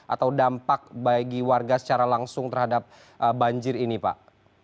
atau dampak bagi warga secara langsung terhadap banjir ini pak